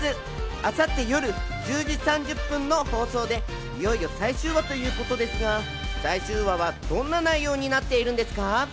明後日夜１０時３０分の放送で、いよいよ最終話ということですが、最終話はどんな内容になっているんですか？